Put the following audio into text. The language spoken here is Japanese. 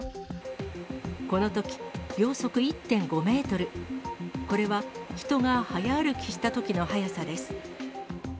このとき、秒速１．５メートル、これは人が早歩きしたときの速さです。